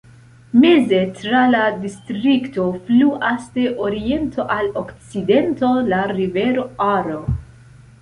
Meze tra la distrikto fluas de oriento al okcidento la rivero Aro.